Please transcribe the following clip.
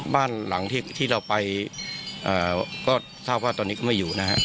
บ้านหลังที่เราไปถ้าว่าตอนนี้ก็ไม่อยู่นะครับ